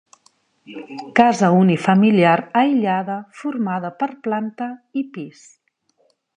Casa unifamiliar aïllada formada per planta i pis.